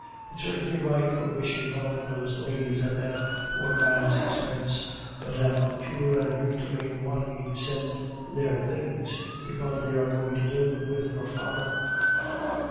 It serves me right for wishing well to those ladies at that poor man's expense. Mme. Couture and Victorine want me to send their things, because they are going to live with her father.